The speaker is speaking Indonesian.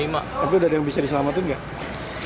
tapi ada yang bisa diselamatin nggak